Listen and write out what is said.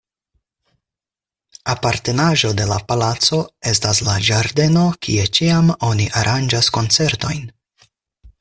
Apartenaĵo de la palaco estas la ĝardeno, kie ĉiam oni aranĝas koncertojn.